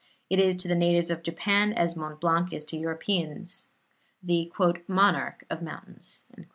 It is to the natives of Japan as Mont Blanc is to Europeans, the "monarch of mountains."